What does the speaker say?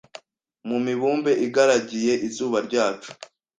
Mu mibumbe igaragiye izuba ryacu,